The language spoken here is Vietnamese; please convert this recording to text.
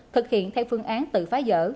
thực hiện theo phương án tự phá dở